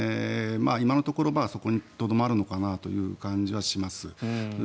今のところそこにとどまるのかなという感じはします。